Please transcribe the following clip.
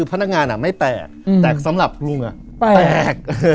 พนักงานไม่แตกแต่สำหรับลุงแตก